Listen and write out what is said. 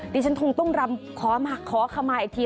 ดิฉันคงต้องรำขอขมาอีกที